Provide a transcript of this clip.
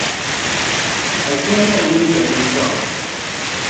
Azima nyɛla ŋun zɔri nambɔɣu.